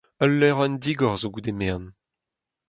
Ul leurenn digor zo goude merenn.